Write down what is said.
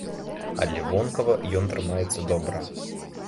Але вонкава ён трымаецца добра.